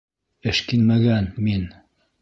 Эшкинмәгән, мин...